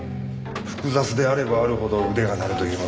複雑であればあるほど腕が鳴るというものです。